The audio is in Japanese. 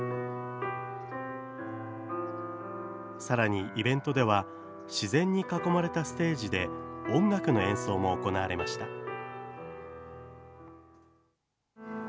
さらにイベントでは、自然に囲まれたステージで、音楽の演奏も行われました。